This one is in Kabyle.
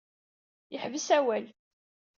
Teḥbes awal.